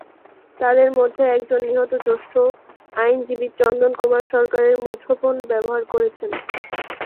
তাঁদের মধ্যে একজন নিহত জ্যেষ্ঠ আইনজীবী চন্দন কুমার সরকারের মুঠোফোন ব্যবহার করেছেন।